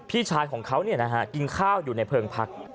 พี่ชายของเขากินข้าวอยู่ในเพลิงพัก